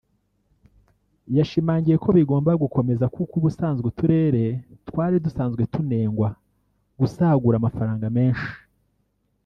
yashimangiye ko bigomba gukomeza kuko ubusanzwe uturere twari dusanzwe tunengwa gusagura amafaranga menshi